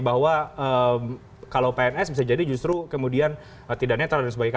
bahwa kalau pns bisa jadi justru kemudian tidak netral dan sebagainya